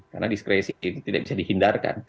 karena diskresi itu tidak bisa dihindarkan